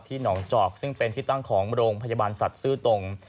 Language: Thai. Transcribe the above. หนองจอกซึ่งเป็นที่ตั้งของโรงพยาบาลสัตว์ซื้อตรง